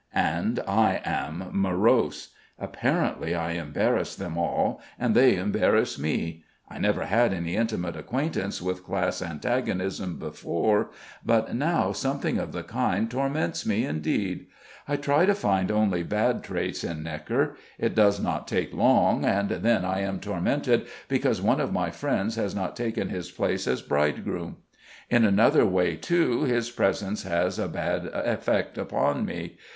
And I am morose. Apparently I embarrass them all and they embarrass me. I never had any intimate acquaintance with class antagonism before, but now something of the kind torments me indeed. I try to find only bad traits in Gnekker. It does not take long and then I am tormented because one of my friends has not taken his place as bridegroom. In another way too his presence has a bad effect upon me.